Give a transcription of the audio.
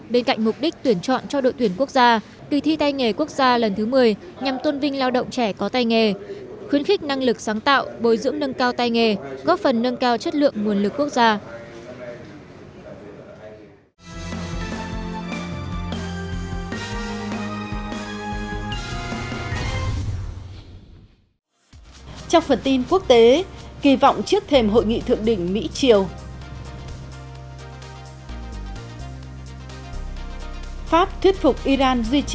bên cạnh mục đích tuyển chọn cho đội tuyển quốc gia kỳ thi tay nghề quốc gia lần thứ một mươi nhằm tôn vinh lao động trẻ có tay nghề khuyến khích năng lực sáng tạo bồi dưỡng nâng cao tay nghề góp phần nâng cao chất lượng nguồn lực quốc gia